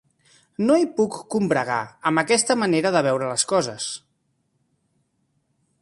No hi puc combregar, amb aquesta manera de veure les coses.